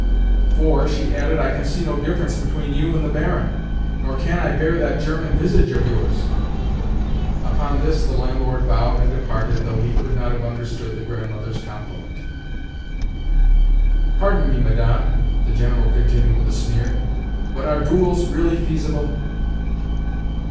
"For," she added, "I can see no difference between you and the Baron; nor can I bear that German visage of yours." Upon this the landlord bowed and departed, though he could not have understood the Grandmother's compliment. "Pardon me, Madame," the General continued with a sneer, "but are duels really feasible?"